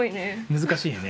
難しいよね。